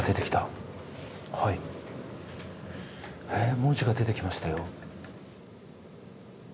文字が出てきましたよ。